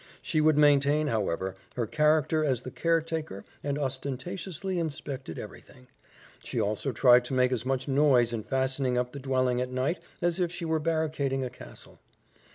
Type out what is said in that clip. She would maintain, however, her character as the caretaker and ostentatiously inspected everything; she also tried to make as much noise in fastening up the dwelling at night as if she were barricading a castle.